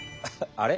あれ？